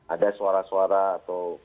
ada suara suara atau